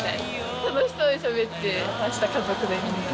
楽しそうにしゃべってました、家族でみんな。